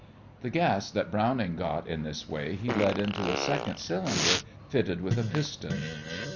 The gas that Browning got in this way he led into a second cylinder, fitted with a piston.